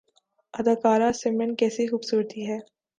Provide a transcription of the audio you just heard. اداکارہ سمرن کیسی خوبصورتی ہے